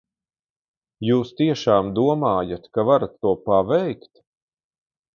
Jūs tiešām domājat, ka varat to paveikt?